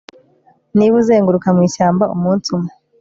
niba uzenguruka mu ishyamba umunsi umwe